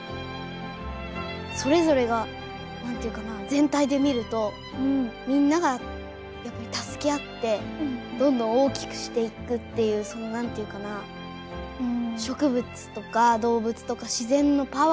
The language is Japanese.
それぞれがなんていうかな全体で見るとみんなが助け合ってどんどん大きくしていくっていうそのなんていうかな植物とか動物とか自然のパワー。